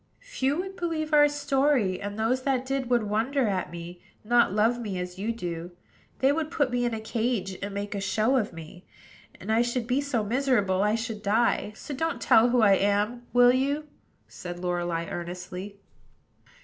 "Few would believe our story; and those that did would wonder at me, not love me as you do. They would put me in a cage, and make a show of me; and I should be so miserable I should die. So don't tell who I am, will you?" said Lorelei earnestly.